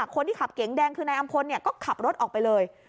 คนที่ขับเก๋งแดงคือนายอำพลก็ขับรถออกไปเลย